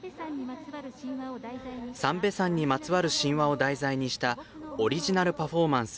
三瓶山にまつわる神話を題材にしたオリジナルパフォーマンス